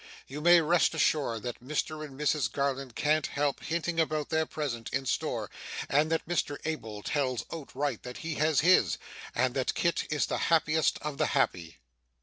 You may rest assured that Mr and Mrs Garland can't help hinting about their present, in store, and that Mr Abel tells outright that he has his; and that Kit is the happiest of the happy.